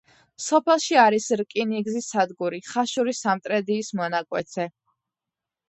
სოფელში არის რკინიგზის სადგური ხაშური-სამტრედიის მონაკვეთზე.